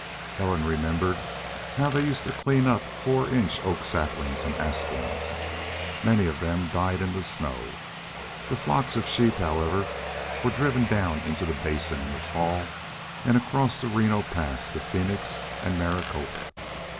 Ellen remembered how they used to clean up four inch oak saplings and aspens. Many of them died in the snow. The flocks of sheep, however, were driven down into the Basin in the fall, and across the Reno Pass to Phoenix and Maricopa.